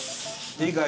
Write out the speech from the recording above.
いいかい？